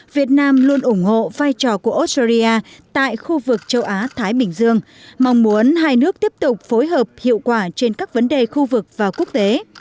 việt nam luôn ủng hộ vai trò của australia tại khu vực châu á thái bình dương mong muốn hai nước tiếp tục phối hợp hiệu quả trên các vấn đề khu vực và quốc tế